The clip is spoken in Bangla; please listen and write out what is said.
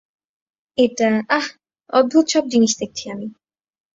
এটা, আহহ, অদ্ভুত সব জিনিস দেখছি আমি।